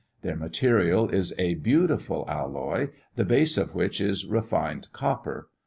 Their material is a beautiful alloy, the base of which is refined copper.